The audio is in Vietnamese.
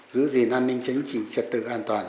giữ gìn an ninh chính trị trật tự an toàn